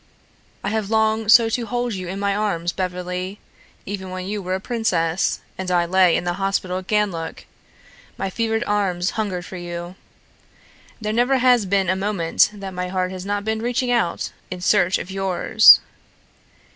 "I have longed so to hold you in my arms, Beverly even when you were a princess and I lay in the hospital at Ganlook, my fevered arms hungered for you. There never has been a moment that my heart has not been reaching out in search of yours.